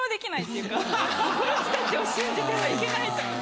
この人たちを信じてはいけないと思って。